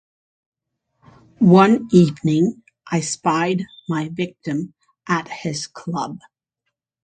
One evening I spied my victim at his club.